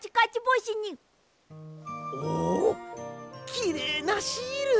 きれいなシール。